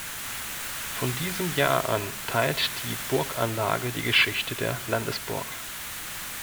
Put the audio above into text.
Von diesem Jahr an teilt die Burganlage die Geschichte der Landesburg.